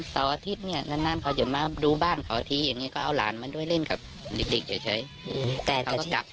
ต่ออาทิตย์เนี่ยนานพอจะมาดูบ้านเขาอาทิตย์อย่างนี้ก็เอาหลานมาด้วยเล่นกับเด็กเฉย